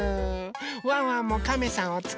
ワンワンもカメさんをつくりました！